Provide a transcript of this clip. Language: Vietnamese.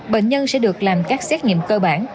bệnh nhân sẽ được làm các xét nghiệm cơ bản